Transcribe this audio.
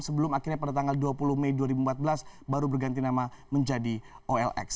sebelum akhirnya pada tanggal dua puluh mei dua ribu empat belas baru berganti nama menjadi olx